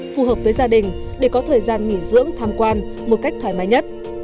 phù hợp với gia đình để có thời gian nghỉ dưỡng tham quan một cách thoải mái nhất